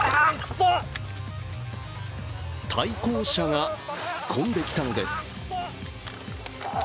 対向車が突っ込んできたのです。